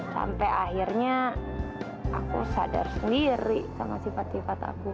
sampai akhirnya aku sadar sendiri sama sifat sifat aku